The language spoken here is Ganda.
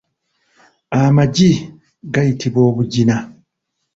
Amagi gayitibwa obugina.